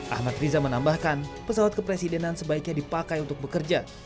ahmad riza menambahkan pesawat kepresidenan sebaiknya dipakai untuk bekerja